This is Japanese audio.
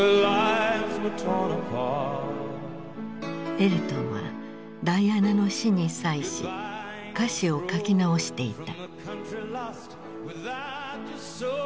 エルトンはダイアナの死に際し歌詞を書き直していた。